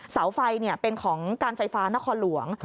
เสาไฟเป็นของการไฟฟ้านครหลวง